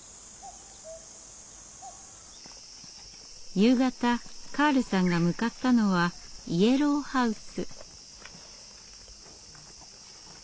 夕方カールさんが向かったのはイエローハウス。